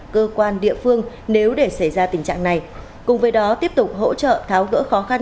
cơ quan địa phương nếu để xảy ra tình trạng này cùng với đó tiếp tục hỗ trợ tháo gỡ khó khăn